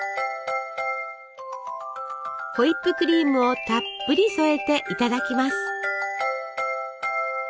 ホイップクリームをたっぷり添えていただきます。